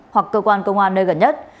hoặc cơ quan công an nơi gần nhất